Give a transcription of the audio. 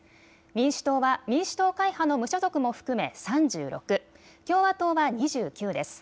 民主党は民主党会派の無所属も含め３６、共和党は２９です。